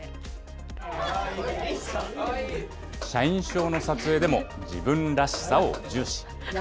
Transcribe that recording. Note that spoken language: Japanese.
社員証の撮影でも自分らしさを重視。